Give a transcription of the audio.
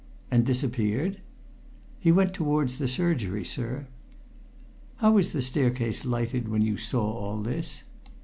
"And disappeared?" "He went towards the surgery, sir." "How was the staircase lighted when you saw all this?"